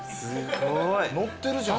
のってるじゃん。